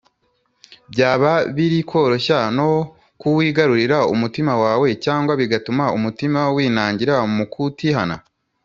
byaba biri koroshya no kuwigarurira umutima wawe, cyangwa bigatuma umutima winangira mu kutihana